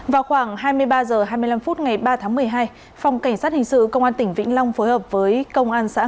vào khoảng hai mươi ba h hai mươi năm phút ngày ba tháng một mươi hai phòng cảnh sát hình sự công an tỉnh vĩnh long phối hợp với công an xã